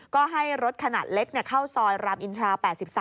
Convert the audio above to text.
ก็ให้รถขนาดเล็กเข้าซอยรามอินทรา๘๓